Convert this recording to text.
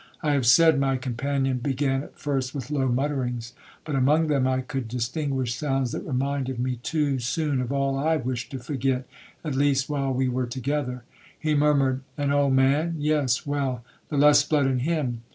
I have said my companion began at first with low mutterings, but among them I could distinguish sounds that reminded me too soon of all I wished to forget, at least while we were together. He murmured, 'An old man?—yes,—well, the less blood in him.